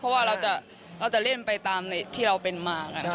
เพราะว่าเราจะเล่นไปตามที่เราเป็นมา